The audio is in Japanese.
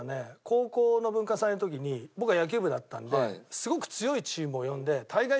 高校の文化祭の時に僕は野球部だったんですごく強いチームを呼んで対外試合をやるわけですよ。